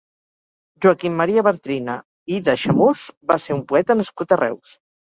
Joaquim Maria Bartrina i d'Aixemús va ser un poeta nascut a Reus.